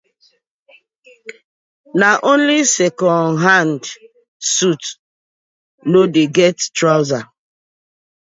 Na only second hand suit no dey get trouser.